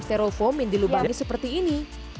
sterofoam yang dilubangi seperti ini